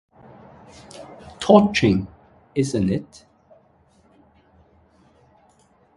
Touching, isn't it?